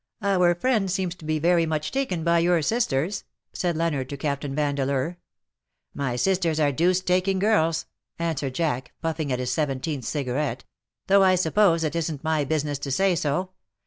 " Our friend seems to be very much taken by your sisters/^ said Leonard to Captain Vandeleur. " My sisters are deuced taking girls,^"* answered Jack, puffing at his seventeenth cigarette ;" though I suppose it isn''t my business to say so.